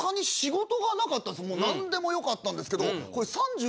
もう何でもよかったんですけど。